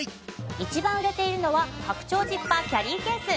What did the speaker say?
一番売れているのは拡張ジッパーキャリーケース。